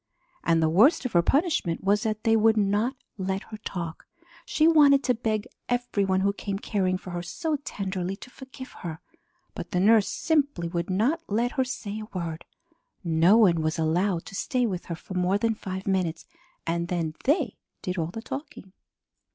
And the worst of her punishment was that they would not let her talk. She wanted to beg every one who came caring for her so tenderly to forgive her, but the nurse simply would not let her say a word. No one was allowed to stay with her for more than five minutes and then they did all the talking.